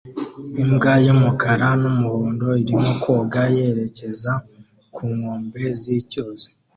Imbwa y'umukara n'umuhondo irimo koga yerekeza ku nkombe z'icyuzi